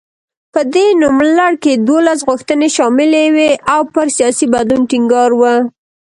په دې نوملړ کې دولس غوښتنې شاملې وې او پر سیاسي بدلون ټینګار و.